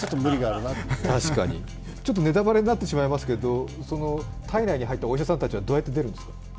ネタバレになってしまいますけど、体内に入ったお医者さんたちはどうやって出るんですか？